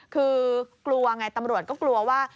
คือกลัวไงตำรวจก็กลัวว่า